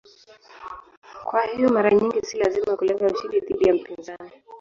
Kwa hiyo mara nyingi si lazima kulenga ushindi dhidi ya mpinzani.